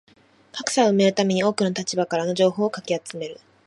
格差を埋めるために多くの立場からの情報をかき集める